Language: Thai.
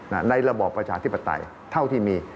ในระบอบประชาธิปไตยเท่าที่มี